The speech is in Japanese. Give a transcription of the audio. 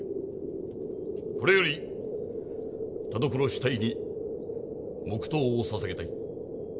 これより田所支隊に黙とうをささげたい。